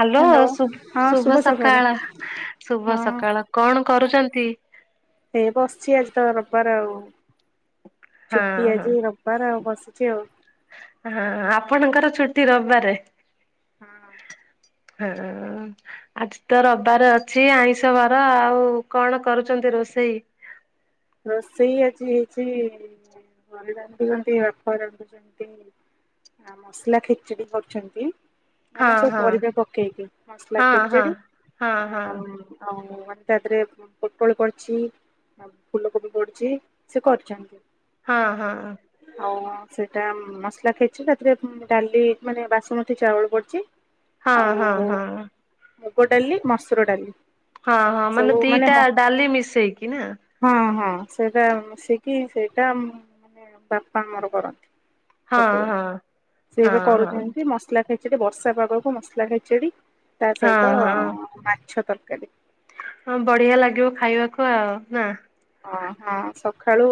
Hello, ହଁ ଶୁବ-ଶୁଭ ଶୁଭ ସକାଳ, ଶୁଭ ସକାଳ। କଣ କରୁଚନ୍ତି? ଏଇ ବସଛି, ଆଜି ତ ରବିବାର ଆଉ। ହଁ ଛୁଟି ହଁ ଆଜି ରବ୍ ବାର ଆଉ ବସିଛି ଆଉ। ହଁ, ଆପଣଙ୍କର ଛୁଟି ରବିବାରେ? ହଁ। ହଁ-ହଁ-ଅଁ। ଆଜି ତ ରବିବାର ଅଛି, ଆଇଁଷ ବାର ଆଉ କଣ କରୁଚନ୍ତି ରୋଷେଇ? ରୋଷେଇ ଆଜି ହେଇଛି, ଘରେ ରାନ୍ଧୁଛନ୍ତି, ବାପା ରାନ୍ଧୁଛନ୍ତି ନା ମସଲା ଖେଚେଡି କରୁଛନ୍ତି ମାନେ ହଁ ସବୁ ହଁ ପରିବା ପକେଇକି, ମସଲା ହଁ ଖେଚେଡି ହଁ ହଁ ଆଉ ଆଉ ମାନେ ତାଦେହରେ ପୋଟଳ ପଡ଼ଛି ଫୁଲକୋବି ପଡୁଛି, ସେ କରିଛନ୍ତି। ହଁ, ହଁ, ହଁ। ଆଉ ସେଇଟା ମସଲା ଖାଇଛି ତାଧେରେ ଉମ୍ ଡାଲି ମାନେ ବାସୁମତୀ ଚାଉଳ ପଡିଛି ହଁ ଆଉ ହଁ ହଁ ମୁଗ ଡାଲି, ମସୁର ଡାଲି ହଁ, ହଁ, ସବୁ ମାନେ ଦିଟା ମ ଡାଲି ମିଶେଇକି ନା? ହଁ, ହଁ। ସେଇଟା ମିଶେଇକି ସେଇଟା ମାନେ ବାପା ଆମର କରନ୍ତି ହଁ ସବୁବେଳେ। ହଁ ସିଏ ହଁ ଏବେ ହଁ। କରୁଛନ୍ତି, ମସଲା ଖେଚ ଚେଡି ବର୍ଷା ପାଗକୁ ମସଲା ଖେଚେଡି, ତା ହଁ ସହିତ ହଁ ମାଛ ତରକାରୀ। ହଁ, ବଢିଆ ଲାଗିବ ଖାଇବାକୁ ଆଉ। ନା? ଓ ହଁ। ସଖାଳୁ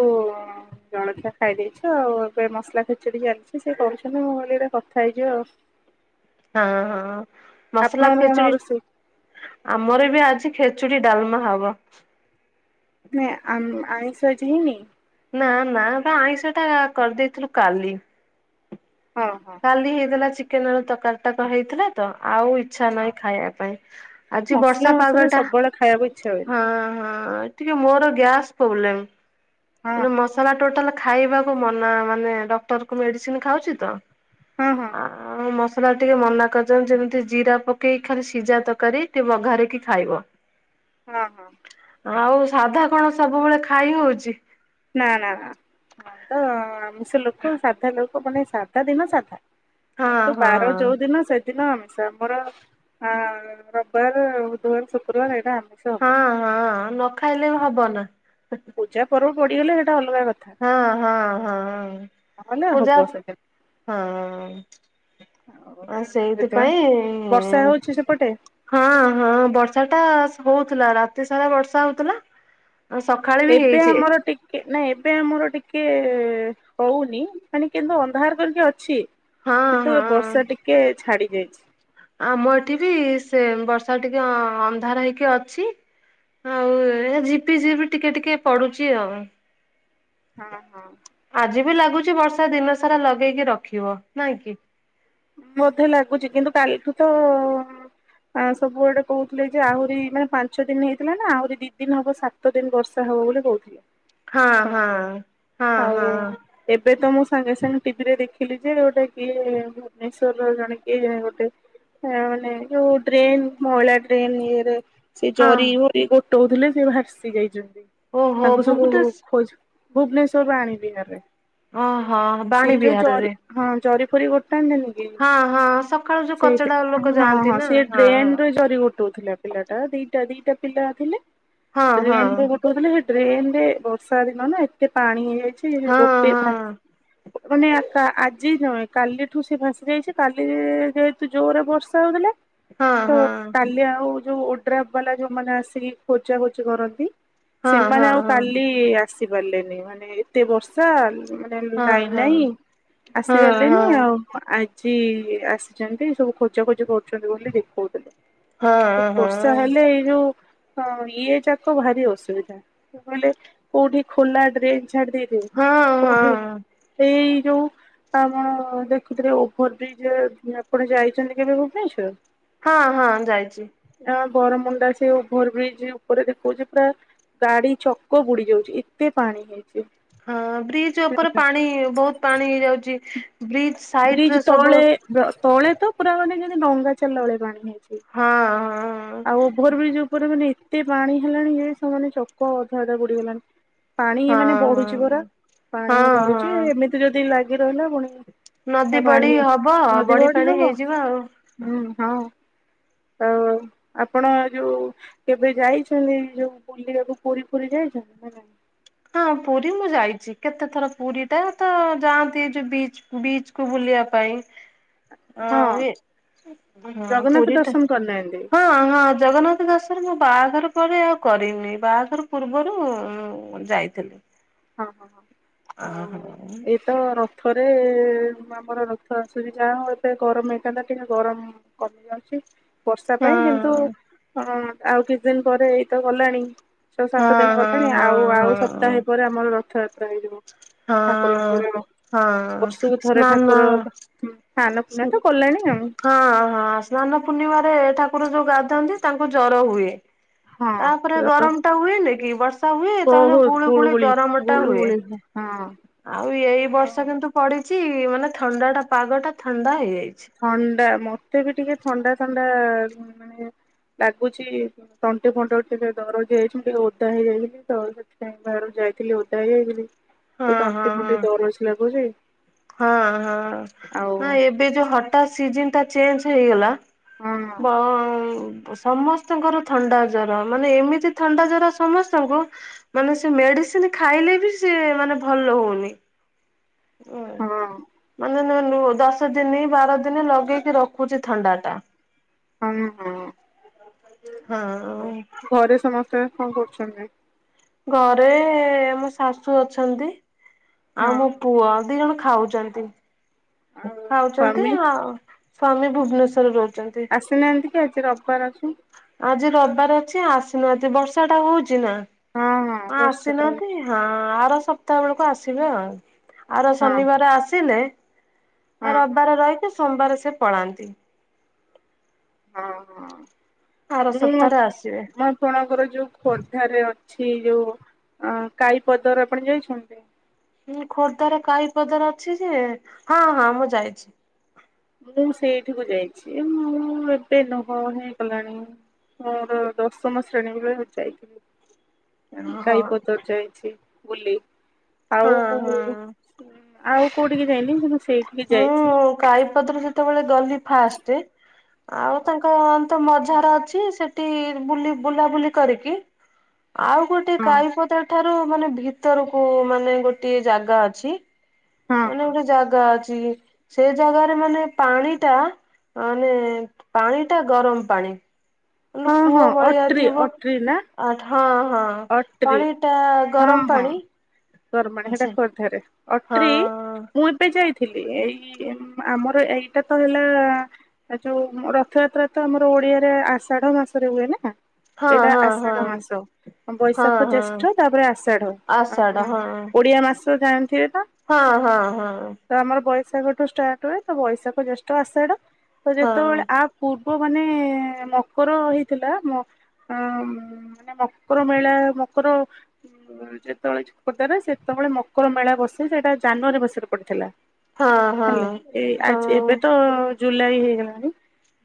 ଜଳଖିଆ ଖାଇ ଦେଇଛୁ ଆଉ ଏବେ ମସଲା ଖେଚେଡି ଜାଣି ସେ କରୁଛନ୍ତି ମୋ ଭଳିରେ କଥା ହେଇଯିବା ଆଉ। ହଁ ହଉ ହଁ ମସଲା ଆପଣଙ୍କର କଣ ଖେଚୁଡ଼ି ରୋଷେଇ ଆମର ବି ଆଜି ଖେଚୁଡି ଡାଲମା ହବ। ନାଇଁ ଆମ ଆଇଷ ଆଜି ହେଇନି। ନା ନା ବା ଆଇଁଷ ଟା କରିଦେଇଥିଲୁ କାଲି। ଓହୋ। କାଲି ହେଇଲା ଚିକେନ ତରକାରୀ ଟା ହେଇଥିଲା ତ ଆଉ ଇଛା ହଁ ନାହିଁ ଖାଇବା ପାଇଁ ଆଜି ମସଲା ବର୍ଷା ମସଲି ପାଗ ଟା ସବୁବେଳେ ଖାଇବାକୁ ଇଚ୍ଛା ହୁଏନି ହଁ ହଁ। ଟିକେ ମୋର ଗ୍ୟାସ ପ୍ରୋବ୍ଲେମ। ହଁ ହଁ ମସଲା ଟୋଟାଲ ଖାଇବାକୁ ମନା ମାନେ ଡକ୍ଟରଙ୍କ ମେଡିସିନ ଖାଉଛି ତ। ହଁ ହଁ। ଆ ମ ସଲା ଟିକେ ମନା କରିଛନ୍ତି ଯେମିତି ଜିରା ପକେଇକ ଖାଲି ସିଝା ତରକାରୀ ଟିକେ ବଘାରିକି ଖାଇବ। ଓହୋ। ଆଉ ସାଧା କଣ ସବୁବେଳେ ଖାଇ ହଉଛି? ନା ନା ନା। ଆ ତ ଆମିଷ ଲୋକ ସାଧା ଲୋକ ମାନେ ସାଧା ଦିନ ସାଧା। ହଁ କିନ୍ତୁ ବାର ହଁ। ଯୋଉଦିନ ସେ ଦିନ ଆମିଷ ଆମର ଅ ରବିବାର ବୁଧବାର ଶୁକ୍ରବାର ଏଇଟା ଆମିଷ। ସେ ହଁ ହବ। ହଁ ନ ଖାଇଲେ ବି ହବ ନା। ପୂଜା ପର୍ବ ପଡିଗଲେ ସେଇଟା ଅଲଗା କଥା। ହଁ ହଁ ହଁ ନହେଲେ ହବ ପୂଜା ସେଦିନ ହଁ। ଆଉ ହ ସେଥିପାଇଁ ବର୍ଷା ସେଇଥିପାଇଁ ହଉଛି ସେପଟେ ହଁ ହଁ ବର୍ଷା ଟା ହଉଥିଲା ରାତି ସାରା ବର୍ଷା ହଉଥିଲା ସ ଏବେ ଆମର ଟି ନାଇଁ ଏବେ ଆମର ଟିକେ ହଉନି ମାନେ କେନ୍ତୁ ଅନ୍ଧାର କରିକି ଅଛି। ହଁ କିନ୍ତୁ ଏ ହଁ ବର୍ଷା ଟିକେ ଛାଡି ଯାଇଛି। ଆମ ଏଠି ବି ସେମ ବର୍ଷା ଟିକେ ଅନ୍ଧାର ହେଇକି ଅଛି। ଆଉ ଜିପି ଜିପି ଟିକେ ଟିକେ ପଡୁଛି ଆଉ। ଓହୋ। ଆଜି ବି ଲାଗୁଛି ବର୍ଷା ଦିନ ସାରା ଲଗେଇକି ରଖିବ ନାଇଁ କି। ବୋଧେ ଲାଗୁଛି କିନ୍ତୁ କାଲିଠୁ ତ ଆ ସବୁଆଡେ କହୁଥିଲେ ଯେ ଆହୁରି ମାନେ ପାଞ୍ଚ ଦିନ ହେଇଥିଲା ନା ଆହୁରି ଦି ଦିନ ହବ ସାତ ସାତ ଦିନ ବର୍ଷା ହବ ବୋଲି କହୁଥିଲେ ହଁ ହଁ ସମସ୍ତେ ହଁ ହଁ ଆଉ ଏବେ ତ ମୁଁ ସାଙ୍ଗେ ସାଙ୍ଗେ ଟିଭିରେ ଦେଖିଲି ଯେ ଗୋଟା କିଏ ମେଶବର ଜଣେ କିଏ ଗୋଟେ। ହାନେଉ ଯୋଉ ଡ୍ରେନ୍ ମଉଳା ଡ୍ରେନ୍ ଇଏରେ। ସିଏ ଜରି ହଁ ଗୋରି ଗୋଟଉଥିଲେ ସେ ଭାସି ଯାଇଛନ୍ତି ଓହୋ ତାଙ୍କୁ ସବୁ ଭୁବନେଶ ଖୋଜ ଭୁବନେଶ୍ଵର ବାଣୀ ବିହାରରେ ଓହୋ ସେଇ ବାଣୀ ଯୋଉ ଜରି ବିହାରରେ ହଁ ଜରି ଫରି ଗୋଟେ ଗୋଟନ୍ତିନି କି ହଁ ହଁ ସକାଳୁ ଯୋଉ କଚଡା ଲୋକ ହଁ ଯାଆନ୍ତି ହଁ ନା ସେ ହଁ। ଡ୍ରେନରେ ଜରି ଗୋଟଉଥିଲେ। ପିଲାଟା ଦିଟା ଦିଟା ପିଲା ଥିଲେ ହଁ ଡେନରେ ହଁ ଗୋଟେ ତେ ସେ ଡ୍ରେନ ରେ ବର୍ଷା ଦିନ ନା ଏତେ ପାଣି ହେଇଯାଇଛି ଗୋଟେ ଓ ଆଖା ଆଜି ଜଣେ କାଲି ଠୁ ସେ ଭାସି ଯାଇଛି କାଲି ଯେହେତୁ ଜୋରରେ ବର୍ଷା ହଉଥିଲା ହଁ ତ ହଁ କାଲି ଆଉ ଯୋଉ ଓଡ୍ରାଫ ବାଲା ଯୋଉମାନେ ଆସିକି ଖୋଜା ଖୋଜି କରନ୍ତି ହଁ ସେମାନେ ଆଉ ହଁ। କାଲି କେଇ ଆସି ପାରିଲେନି ମାନେ ଏତେ ବର୍ଷା। ମାନେ ହଁ ହଁ ଲାଇନ୍ ହଁ ନାହିଁ ହଁ ହଁ ହଁ ଆସିପାରିଲେନି ହଁ। ଆଉ। ଆଜି ଆସିଛନ୍ତି ସବୁ ଖୋଜାଖୋଜି କରୁଛନ୍ତି ବୋଲି ଦେଖଉଥିଲା। ହଁ ହଁ ବର୍ଷା ହେଲେ ହଁ ଏଇ ଯୋଉ ହଁ ଇଏ ଯାକ ଭାରି ଅସୁବିଧା କହିଲେ କୋଉଠି ଖୋଲା ଡ୍ରେନ୍ ଛାଡି ଦେଇ ହଁ ହଁ। ଏଇ ଯୋଉ ଆପଣ ଦେ ସେତିରେ ଓଭର ବ୍ରିଜ ରେ ଆପଣ ଯାଇଚନ୍ତି କେବେ ଭୁବନେଶ୍ୱର? ହଁ ହଁ ଯାଇଚି। ଆ ବରମୁଣ୍ଡା ସେ ଓଭର ବ୍ରିଜ ଉପରେ ଦେଖଉଚି ପୁରା ଗାଡି ଚକ ବୁଡି ଯାଉଚି ଏତେ ପାଣି ହେଇଚି। ହଁ ବ୍ରିଜ ଓପରେ ପାଣି ବହୁତ ପାଣି ହେଇଯାଉଚି ବ୍ରିଜ ସାଇଟ ରେ ବ୍ରିଜ ସବୁ ତଳେ ତଳେ ତ ପୁରା ମାନେ ଯେମିତି ଡଙ୍ଗା ଚାଲିଲା ଭଳିଆ ପାଣି ହେଇଛି। ହଁ ହଁ। ଆଉ ଓଭର ବ୍ରିଜ ଉପରେ ମାନେ ଏତେ ପାଣି ହେଲାଣି ଯେ ସେମାନେ ଚକ ଅଧା ଅଧା ବୁଡିଗଲାଣି। ପାଣି ମାନେ ହଁ ବଢୁଚି ପରା ହଁ। ପାଣି ହଁ ବଢୁଚି ହଁ ଏମିତି ଯଦି ଲାଗି ରହିଲା ପୁଣି ନଦୀ ତା ପାଣି ବଡି ହବ ନଦୀ ବଡି ବଢି ପାଣି ହବ ହେଇଯିବ ଆଉ। ହୁଁ ହଉ ଆଉ ଆପଣ ଯୋଉ କେବେ ଯାଇଛନ୍ତି ଯୋଉ ବୁଲିବାକୁ ପୁରୀ ଫୁରି ଯାଇଛନ୍ତି ନା ନାଇଁ? ହଁ ପୁରୀ ମୁଁ ଯାଇଚି କେତେଥର ପୁରୀ ଟା ତ ଯାଆନ୍ତି ଯୋଉ ବିଚ୍ ବିଚ୍ କୁ ବୁଲିବା ପାଇଁ। ହଁ ଆଉ ଏ ହଁ ଜଗନ୍ନାଥ ପୁରୀ ଟା ଦର୍ଶନ କରିନାହାନ୍ତି ହଁ ହଁ ଜଗନ୍ନାଥ ଦଶରେ ମୋ ବାଆଘର ପରେ ଆଉ କରିନି ବାଆଘର ପୂର୍ବରୁ ଉଁ ଯାଇଥିଲି। ହଁ ହଁ ଆଉ ଏ ତ ରଥରେ ଆମର ରଥ ଆସୁଚି ଯାହା ହଉ ଏବେ ଗରମ ହେଇଥାନ୍ତା ଟିକେ ଗରମ [unintelligible] ଯାଉଚି। ବର୍ଷା ପାଇଁ କିନ୍ତୁ ହଁ ଅଁ ଆଉ କିଛି ଦିନ ପରେ ଏଇତ ଗଲାଣି। ଛ ସାତ ଦିନ ହଁ ଗଲାଣି ହଁ ଆଉ ଆଉ ହଁ ସପ୍ତାହେ ପରେ ଆମର ରଥଯାତ୍ରା ହେଇଯିବ। ହଁ ଠାକୁରଙ୍କର ହଁ ବର୍ଷକୁ ଥରେ ନାନା ଠାକୁର ସ୍ନାନ ପୂର୍ଣ୍ଣିମା ହୁଁ ତ କଲେଣି ଆଉ। ହଁ ହଁ। ସ୍ନାନ ପୂର୍ଣ୍ଣିମାରେ ଠାକୁର ଯୋଉ ଗାଧାନ୍ତି ତାଙ୍କୁ ଜର ହୁଏ। ତାପରେ ଗରମ ଟା ହୁଏନି କି ବ ର୍ଷା ହୁଏ ହଁ ତାର ବହୁତ ଗୁଳୁ ଗୁଳି ଗୁଳୁଗୁଳି ଗରମ ଟା ହୁଏ। ଗୁଳୁଗୁଳି ହଁ। ଆଉ ଏଇ ହଁ। ବର୍ଷା କିନ୍ତୁ ପଡିଚି ମାନେ ଥଣ୍ଡା ଟା ପାଗ ଟା ଥଣ୍ଡା ହେଇଯାଇଛି। ଥଣ୍ଡା ମତେ ବି ଟିକେ ଥଣ୍ଡା ଥଣ୍ଡା ମାନେ ଲାଗୁଚି। ତଣ୍ଟି ଫଣ୍ଟି ଟିକେ ଦରଜ ହେଇଛି ମୁଁ ଟିକେ ଓଦା ହେଇଯାଇଥିଲି ତ ସେ [unintelligible] ବାହାରୁକୁ ଯାଇଥିଲି ଓଦା ହେଇଯାଇଥିଲି ଏଇ ହଁ ହଁ ତଣ୍ଟି ହଁ। ଫଣ୍ଟି ଦରଜ ଲାଗୁଚି। ହଁ ହଁ ହଁ ଏବେ ଯୋଉ ହଠାତ ସିଜନ ଟା ଚେଞ୍ଚ୍ ହେଇଗଲା ହଁ [unintelligible] ସମସ୍ତଙ୍କର ଥଣ୍ଡା ଜର ମାନେ ଏମିତି ଥଣ୍ଡା ଜର ସମସ୍ତଙ୍କୁ ମାନେ ସିଏ ମେଡିସିନି ଖାଇଲେ ବି ସିଏ ମାନେ ଭଲ ହଉନି। ହଁ। ମାନେ [unintelligible] ଦଶ ଦିନି ବାର ଦିନି ଲଗେଇକି ରଖୁଚି ଥଣ୍ଡା ଟା। [unintelligible] ଆଉ ହଁ। ଘରେ ସମସ୍ତେ କଣ କରୁଚନ୍ତି? ଘରେ ମୋ ଶାଶୁ ଅଛନ୍ତି ଆଉ ହଁ ମୋ ପୁଅ ଦି ଜଣ ଖାଉଚନ୍ତି ଆଉ ଖାଉଚନ୍ତି ସ୍ଵାମୀ ଆଉ। ସ୍ଵାମୀ ଭୁବନେଶ୍ଵରରେ ରଉଚନ୍ତି। ଆସିନାହାନ୍ତି କେଇ ଆଜି ରବିବାର ଅଛି। ଆଜି ରବିବାର ଅଛି ଆସିନାହାନ୍ତି ବର୍ଷା ଟା ହଉଚି ନା ହଁ ହଁ ବର୍ଷା ତ ହଉଛି ଆସିନାହାନ୍ତି। ହଁ ଆର ସପ୍ତାହ ବେଳୁକୁ ଆସିବେ ଆଉ ଆର ହଁ ଶନିବାର ଆସିଲେ ହଁ ଆ ହଁ ରବିବାର ରଇକି ସୋମବାର ସେ ପଳାନ୍ତି। ହଁ ହଁ ଆର ମୁଁ ମ ସପ୍ତାହରେ ଆସିବେ ଆପଣଙ୍କର ଯୋଉ ଖୋର୍ଦ୍ଧାରେ ଅଛି ଯୋଉ ଆଁ କାଈ ପଦର ଆପଣ ଯାଇଛନ୍ତି। ହୁଁ ଖୋର୍ଦ୍ଧାର କାଇ ପଦର ଅଛି ଯେ ହଁ ହଁ ମୁଁ ଯାଇଛି। ମୁଁ ସେଇଠିକୁ ଯାଇଛି, ମୁଁ ଏବେ ନୁହଁ ହେଇଗଲାଣି। ମୋର ଦଶମ ଶ୍ରେଣୀ ରେ ଯାଇଥିଲି। ଆନ ହଁ କାଇ ହଁ ପଦର ଯାଇଛି ବୁଲି ଆଉ। ହଁ ଆଉ କୋଉଠିକି ଯାଇନି, କିନ୍ତୁ ସେଇଠିକି ଯାଇଛି। କାଈପଦର ଯେତେବେଳେ ଗଲି ଫାଷ୍ଟ, ହଁ ଆଉ ହଁ। ତାଙ୍କ। ତ ମଝାର ଅଛି, ସେଠି ବୁଲି ବୁଲାବୁଲି କରିକି ଆଉ ଗୋଟେ। ଗୋଟେ କାଇପଦା ଠାରୁ ମାନେ ଭିତରକୁ ମାନେ ଗୋଟିଏ ଜାଗା ଅଛି। ହଁ ହଁ ଏନେ ଗୋଟେ ହଁ ଜାଗା ଅଛି, ସେ ଜାଗାରେ ମାନେ ପାଣି ଟା। ମାନେ ପାଣି ଟା ଗରମ ପାଣି। ମାନେ ହଁ କୂଅ ହଁ ଭଳିଆ ଅଟ୍ରି ଥିବ, ଅଟ୍ରି ନା ଆ ହଁ ହଁ। ଅଟ୍ରି ପାଣି ଟା ଗରମ ପାଣି। ଗରମ‌ ପାଣି ସେଟା ସେ ଖୋର୍ଦ୍ଧା ରେ ହଁ ଅଟ୍ରି, ମୁଁ ଏବେ ଯାଇ ଥିଲି, ଏଇ ଏମ୍ ଆମର ଏଇଟା ତ ହେଲା। ଏ ଯୋଉ ରଥଯାତ୍ରା ତ ଆମର ଓଡିଆରେ ଆଷାଢ ମାସରେ ହୁଏ ନା। ହଁ ଏଇଟା ହଁ ହଁ ଆଷାଢ ମାସ। ହଁ ବୈଶାଖ, ହଁ ଜେଷ୍ଠ ତାପରେ ଆଷାଢ, ଆ ଆଷାଢ ମ୍ ହଁ ଓଡିଆ ମାସ ଜାଣିଥିବେ ବା। ହଁ ହଁ ହଁ। ତ ଆମର ବୈଶାଖଠୁ ଷ୍ଟାର୍ଟ ହୁଏ, ତ ବୈଶାଖ ଜେଷ୍ଠ ଆଷାଢ ତ ଯେତେ ହଁ ବେଳେ ଆ। ପୂର୍ବ ମାନେ ମକର ହେଇଥିଲା ମ ମାନେ ମକ ମକର ମେଳା, ମକର। ଅ ଯେତେବେଳେ ଖୋର୍ଦ୍ଧାରେ ସେତେବେଳେ ମକର ମେଳା ବସେ, ସେଇଟା ଜାନୁଆରୀ ମାସରେ ପଡିଥିଲା। ହଁ ହେଲେ ହଁ। ଏଇ ହଁ ଆଜି ଏବେ ତ ଜୁଲାଇ ହେଇଗଲାଣି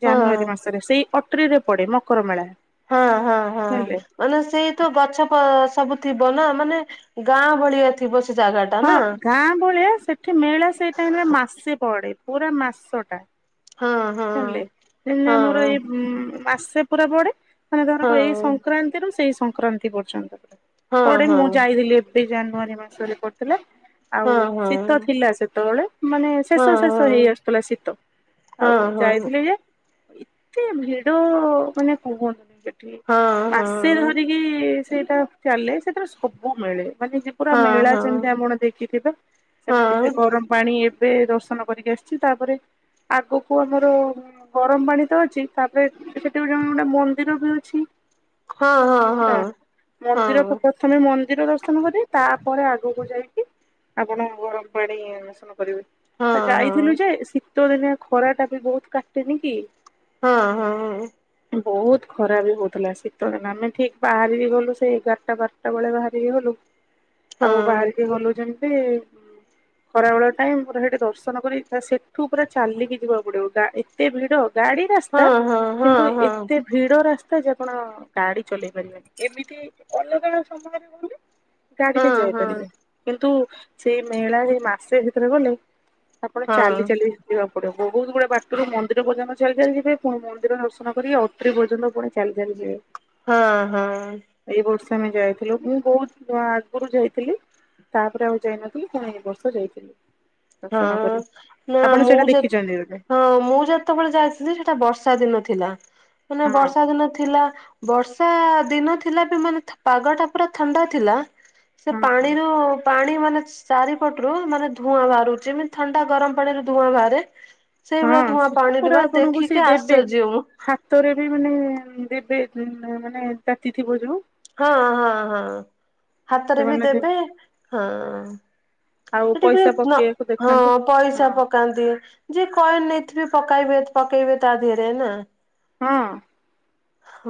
ହଁ। ଜାନୁଆରୀ ମାସରେ ସେଇ ଅଟ ଟ୍ରି ରେ ପଡେ ମକର ମେଳା। ହଁ ହଁ ହଁ। ହେଲେ ମାନେ ସେଇ ତ ଗଛ ‌ପ ସବୁ ଥିବ ନା, ମାନେ ଗାଁ ଭଳିଆ ଥିବ ସେ ଜାଗା ଟା। ହଁ ନା ଗାଁ ଭଳିଆ ସେଠି ମେଳା ସେଇ ଟାଇମରେ ମାସେ ପଡେ, ପୁରା ମାସ ଟା। ହଁ ହଁ ହେଲେ ହେଲେ ମୋର ହଁ। ଏଇ ଉଁ ମାସେ ପୁରା ପଡେ। ମାନେ ଧର କୁ ଏଇ ହଁ ସଂକ୍ରାନ୍ତିରୁ ସେଇ ସଂକ୍ରାନ୍ତି ପର୍ଯ୍ୟନ୍ତ ହଁ ପଡେ, ହଁ ମୁଁ ଯାଇଥିଲି ଏ। ସେଇ ଜାନୁଆରୀ ମାସରେ ପଡିଥିଲା। ଆଉ ହଁ ହଁ। ଶୀତ ଥିଲା ସେତେ ବେଳେ, ମାନେ ଶେଷ ହଁ ଶେଷ ହେଇ ଆସୁଥିଲା ଶୀତ ହଁ ଆଉ। ହଁ ହଁ ଯାଇଥିଲି ଏତେ ଭିଡ ମାନେ କୁହନ୍ତୁନି ସେଠି ହଁ ମାସେ। ସେ ହଁ। ଧରିକି ସେଇଟା ଚାଲେ, ସେଥିରେ ସବୁ ମିଳେ ମାନେ ଯେ ପୁରା ହଁ ମେଳା ହଁ ଯେମିତି ଆପଣ ଦେଖିଥିବେ, ସେମିତି ସେ ହଁ ଗରମ। ପାଣୀ ଏବେ ଦର୍ଶନ କରିକି ଆସିଛି ତାପରେ ଆଗକୁ ଆମର। ଯୋଉଁ ଗରମ ପାଣି ତ ଅଛି ତା ପରେ ସେଠି ବି ଯୋଉ ଗୋଟା ମନ୍ଦିର ବି ଅଛି। ହଁ ହଁ ହଁ ହେଲା ହଁ। ମନ୍ଦିର ଫୋ ହଁ ତମେ ମନ୍ଦିର ଦର୍ଶନ କରି ବ ତାପରେ ଆଗକୁ ଯାଇକି। ଆପଣ ଗରମ ପାଣି ଦର୍ଶନ କରିବେ। ଏ ହଁ ଯାଇଥିଲୁ ହଁ ଯେ, ଶୀତ ଦିନିଆ ଖରା ଟା ବି ବହୁତ କାଟେନି କି। ହଁ ହଁ ହଁ ଉଁ। ବହୁତ ଖରା ବି ହଉଥିଲା, ଶୀତ ଦିନେ ଆମେ ଠିକ୍ ବାହାରିକି ଗଲୁ ସେଇ ଏଗାରଟା ବାରଟା ବେଳେ ବାହାରିକି ଗଲୁ। ଆଉ ବାହାରିକି ହଁ ଗଲୁ ଯେମ୍ ତି ଉଁ ଖରାବେଳ ଟାଇମ, ପୁରା ସେଠି ଦର୍ଶନ କରି ସେଠୁ ପୁରା ଚାଲିକି ଯିବାକୁ। ପଡିବ ଗା‌ ଏତେ ଭିଡ ଗାଡି ରାସ୍ତା ହଁ ହଁ କିନ୍ତୁ ଏତେ। ହଁ ଭିଡ ରାସ୍ତା ଯେ ଆପଣ ଗାଡି ଚଲେଇ ପାରିବେନି ଏମିତି ଅଲଗା ବେଳା ସମୟରେ ଗଲେ। ଗାଡିରେ ଯାଇ ହଁ ପାରିବେ କିନ୍ତୁ ସେଇ ମେଳା ସେଇ ମାସେ ଭିତରେ ଗଲେ। ହଁ ଆପଣ ହଁ ଚାଲି ଚାଲି ଯିବାକୁ ପଡିବ ବ ବହୁତ ଗୁଡେ ବାଟରୁ ମନ୍ଦିର ପର୍ଯ୍ୟନ୍ତ ଚାଲି ଚାଲିଯିବେ, ପୁଣି ମନ୍ଦିର ଦର୍ଶନ କରି ଅତ୍ରୀ ପର୍ଯ୍ୟନ୍ତ ପୁଣି ଚାଲି ଚାଲି ଯିବେ। ହଁ ହଁ। ଏଇ ବର୍ଷେ ଆମେ ଯାଇଥିଲୁ ମୁଁ ବହୁତ ଆଗରୁ ଯାଇଥିଲି। ତାପରେ ଆଉ ଯାଇନଥିଲି ଫୁଣି ଏ ବର୍ଷ ଯାଇଥିଲୁ। ହଁ ନା ମୁଁ ସେଇଟା ଯେ ଦେଖିଛନ୍ତି ବୋଧେ ହଁ ମୁଁ ଯେତେବେଳେ ଯାଇଥିଲି ସେଟା ବର୍ଷା ଦିନ ଥିଲା ମାନେ ହଁ ବର୍ଷା ଦିନ ଥିଲା। ବର୍ଷା ଦିନ ଥିଲା ବି ମାନେ ପାଗଟା ପୁରା ଥଣ୍ଡା ଥିଲା। ସେ ହଁ ହଁ ପାଣିରୁ ପାଣି ମାନେ ଚାରିପଟରୁ ମାନେ ଧୂଆଁ ବାହାରୁ ଯେମିତି ଥଣ୍ଡା ଗରମ ପାଣି ରୁ ଧୂଆଁ ବାହାରେ। ସେଇଭଳିଆ ହଁ ଧୂଆଁ ସେଟା ପାଣିରେ ବା ଦେଖିକି ଆଶର୍ଯ୍ୟ ମୁଁ। ଭିତରେ ବି ମାନେ ଦେବେ ମାନେ ତାତି ଥିବ ଯୋଉ। ହଁ ହଁ ହଁ ହାତରେ ବି ସେମାନେ ଦେ- ଦେବେ ହଁ। ଆଉ ସେଠିକ ପଇସା [unintelligible] ପକେଇବାକୁ ହଁ ଦେଖାନ୍ତି ଅଁ ପଇସା ପ ହଁ ପକାନ୍ତି ଯିଏ କରି ନେଇଥିବେ ପକାଇବେ ପକେଇବେ ତା ଦେହେରେ ନା। ହଁ।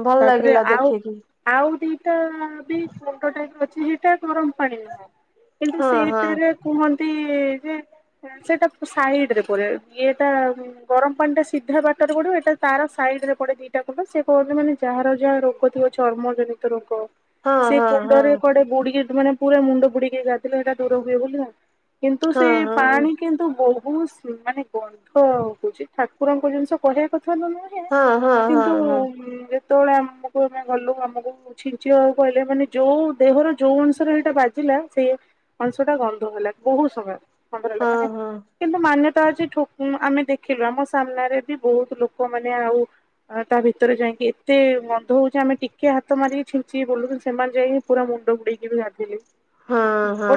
ଭଲ ତାପରେ ଲାଗିଲା ଆଉ ଦେଖିକି ଆଉ ଦିଟା ବି ଗୁଣ୍ଡ ଟାଇପ୍ ର ଅଛି ହେଟା ଗରମ ପାଣି ନୁହଁ। କିନ୍ତୁ ହଁ ହଁ ସେଇଟାରେ କୁହନ୍ତି ଯେ। ସେଟା ସାଇଡ ରେ ପରେ ଇଏଟା। ଗରମ ପାଣି ଟା ସିଧା ବାଟରେ ପଡିବ ଏଟା ତାର ସାଇଡ ରେ ପଡେ ଦିଟା କୁଣ୍ଡ ସେ [unintelligible] ମାନେ। ଯାହାର ଯାହା ରୋଗ ଥିବ ଚର୍ମ ଜନିତ ରୋଗ ହଁ ସେ ହଁ ହଁ କୁଣ୍ଡରେ କଆଡେ ବୁଡି କି ମାନେ। ପୁରା ମୁଣ୍ଡ ବୁଡେଇକି ଗାଧିଲେ ହେଟା ଦୂର ହୁଏ ବୋଲି ନା କିନ୍ତୁ ହଁ ସେଇ ପାଣି କିନ୍ତୁ ବହୁତ ସୁ ମାନେ ଗନ୍ଧ ହଉଛି ଠାକୁରଙ୍କ ଜିନିଷ କହିବା କଥା ନୁହଁ ନ ହଁ ହଁ ହଁ ହଁ କିନ୍ତୁ ହଁ ଯେତେବେଳେ ଆମକୁ ଆମେ ଗଲୁ ଆମକୁ ଛିଞ୍ଚିବାକୁ କହିଲେ ମାନେ ଯୋଉ ଦେହର ଯୋଉ ଅଂଶରେ ସେଇଟା ବାଜିଲା ସେଇ ଅଂଶ ଟା ଗନ୍ଧ ହେଲା ବହୁତ ସମୟ ଗନ୍ଧ ହେଲା ହଁ ମାନେ ହଁ କିନ୍ତୁ ମାନ୍ୟତା ଅଛି ଠ ହୁଁ ଆମେ ଦେଖିଲୁ ଆମ ସାମ୍ନାରେ ବି ବହୁତ ଲୋକମାନେ ଆଉ ତା ଭିତରେ ଯାଇଁକି ଏତେ ଗନ୍ଧ ହଉଚି ଆମେ ଟିକେ ହାତ ମାରିକି ଛିଞ୍ଚି ହେଇ ପଡ଼ିଲୁ କିନ୍ତୁ ସେମାନେ ଯାଇକି ପୁରା ମୁଣ୍ଡ ବୁଡେଇକି ବି ଗାଧିଲେ। ହଁ ହଁ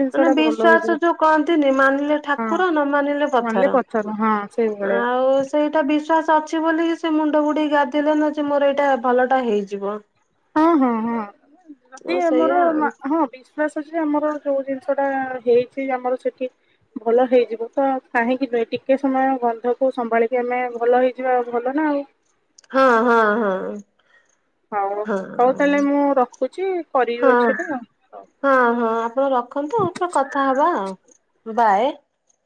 ଜିନିଷ ଟା ଭଲ ବିଶ୍ଵାସ ହେଇଯିବ ଯୋଉ କହନ୍ତିନି ମାନିଲେ ହଁ ଠାକୁର ନ ମାନିଲେ ନହେଲେ ପଥର ହଁ ସେଇଭଳିଆ ଆଉ। ସେଇଟା ବିଶ୍ଵାସ ଅଛି ବୋଲିି ସେ ମୁଣ୍ଡ ବୁଡେଇ ଗାଧିଲେ ନ ଯେ ମୋର ଏଇଟା ଭଲଟା ହେଇଯିବ। ହଁ ହଁ ହଁ ଯଦି ଆଉ ଆମର ସେଇଆ ହଁ ବିଶ୍ଵାସ ଅଛି ଆମର ଯୋଉ ଜିନିଷ ଟା ହେଇଛି ଆମର ସେଠି। ଭଲ ହେଇଯିବ ତ କାହିଁକି ନୁହେଁ ଟିକେ ସମୟ ଗନ୍ଧକୁ ସମ୍ଭାଳିକି ଆମେ ଭଲ ହେଇଯିବା ଆଉ ଭଲ ନା ଆଉ। ହଁ ହଁ ହଁ। ହଉ ହଁ ହଉ ତାହେଲେ ମୁଁ ରଖୁଛି କରିବି ହଁ ପଛରେ ହଉ। ହଁ ହଁ ଆପଣ ରଖନ୍ତୁ ପ୍ର କଥା ହବା ଆ ବାଏ।